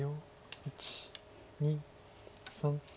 １２３。